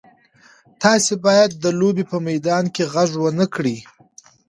تاسي باید د لوبې په میدان کې غږ ونه کړئ.